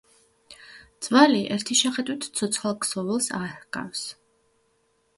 ძვალი ერთი შეხედვით ცოცხალ ქსოვილს არ ჰგავს.